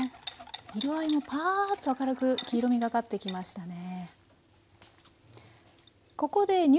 色合いもパァーッと明るく黄色みがかってきましたね。